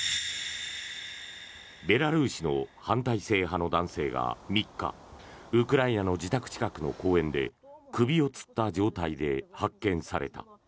ベラルーシの反体制派の男性が３日ウクライナの自宅近くの公園で首をつった状態で発見された。